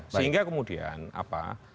sehingga kemudian apa